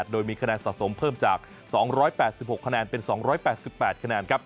โดยมีคะแนนสะสมเพิ่มจาก๒๘๖คะแนนเป็น๒๘๘คะแนน